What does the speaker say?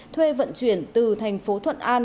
thuê vận chuyển từ thành phố thuận an